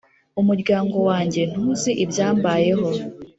umuryango wange ntuzi ibyambayeho"